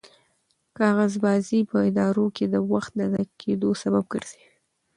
کاغذبازي په ادارو کې د وخت د ضایع کېدو سبب ګرځي.